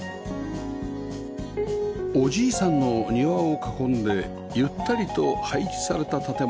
おじいさんの庭を囲んでゆったりと配置された建物